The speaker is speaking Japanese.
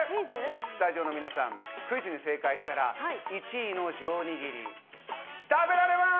スタジオの皆さん、クイズに正解したら、１位の上にぎり、食べられます！